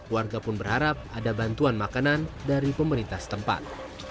warga pun berharap ada bantuan makanan dari pemerintah setempat